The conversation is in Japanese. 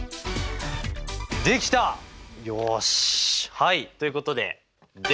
はいということでデン！